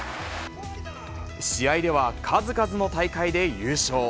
試合では数々の大会で優勝。